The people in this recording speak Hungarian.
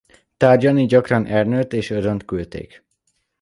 Tárgyalni gyakran Ernőt és Ödönt küldték.